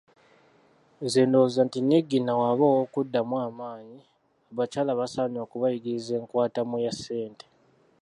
Nze ndowooza nti Niigiina bw’aba ow’okuddamu amaanyi, abakyala basaanye okubayigiriza enkwatamu ya ssente.